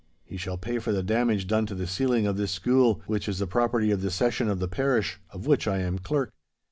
He shall pay for the damage done to the ceiling of this schule, which is the property of the Session of the parish, of which I am clerk.